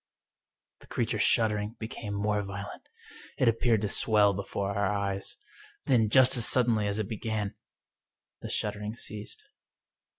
The creature's shuddering became more violent. It ap peared to swell before our eyes. Then, just as suddenly as it began, the shuddering ceased.